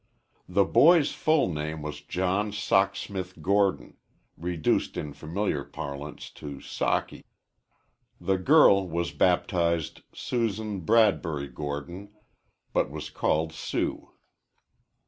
The boy's full name was John Socksmith Gordon reduced in familiar parlance to Socky. The girl was baptized Susan Bradbury Gordon, but was called Sue.